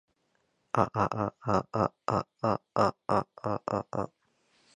あああああああああああ